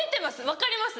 分かります。